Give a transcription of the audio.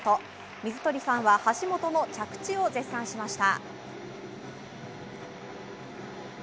水鳥さんは橋本の着地を絶賛しました。